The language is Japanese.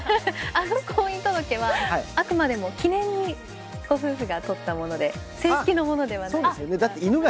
あの婚姻届はあくまでも記念にご夫婦が撮ったもので正式なものではないですが。